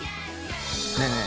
ねえねえ。